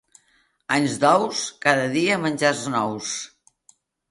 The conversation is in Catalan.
Anys d'ous, cada dia menjars nous.